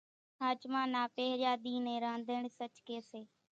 ۿاچمان نا پۿريا ۮي نين رانڌڻِ سچ ڪي سي